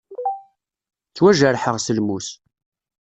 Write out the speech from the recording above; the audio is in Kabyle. Ttwajerḥeɣ s lmus.